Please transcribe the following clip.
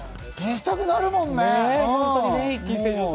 聴きたくなるもんね。